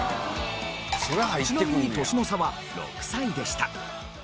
ちなみに年の差は６歳でした。